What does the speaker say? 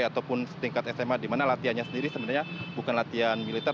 ataupun setingkat sma di mana latihannya sendiri sebenarnya bukan latihan militer